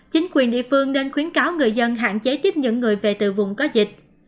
chính quyền địa phương nên khuyến cáo người dân hạn chế tiếp những người về từ vùng có dịch